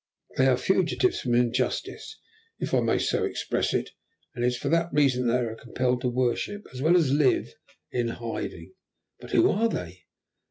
They are fugitives from injustice, if I may so express it, and it is for that reason that they are compelled to worship, as well as live, in hiding." "But who are they?"